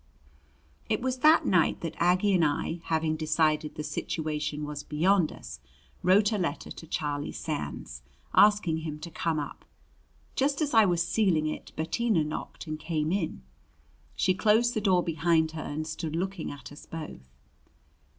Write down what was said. It was that night that Aggie and I, having decided the situation was beyond us, wrote a letter to Charlie Sands asking him to come up. Just as I was sealing it Bettina knocked and came in. She closed the door behind her and stood looking at us both.